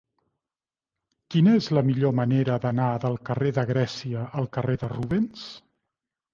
Quina és la millor manera d'anar del carrer de Grècia al carrer de Rubens?